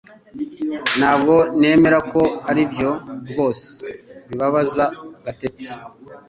Ntabwo nemera ko aribyo rwose bibabaza Gatete